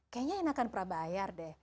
kayaknya ini akan prabayar deh